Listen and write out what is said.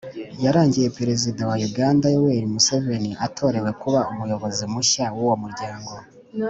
yarangiye perezida wa uganda yoweri museveni atorewe kuba umuyobozi mushya w'uwo muryango